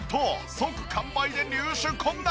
即完売で入手困難。